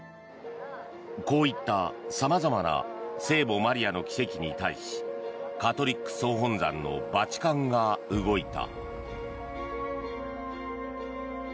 こういった様々な聖母マリアの奇跡に対しカトリック総本山のバチカンが動いた。